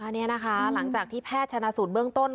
อันนี้นะคะหลังจากที่แพทย์ชนะสูตรเบื้องต้น